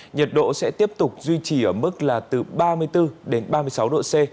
nhiệt độ sẽ tiếp tục duy trì ở mức là từ ba mươi bốn đến ba mươi sáu độ c